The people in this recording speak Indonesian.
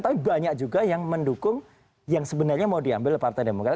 tapi banyak juga yang mendukung yang sebenarnya mau diambil oleh partai demokrat